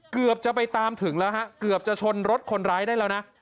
เกือบจะไปตามถึงแล้วฮะเกือบจะชนรถคนร้ายได้แล้วนะ